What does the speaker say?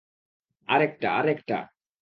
আরেকটা, আরেকটা!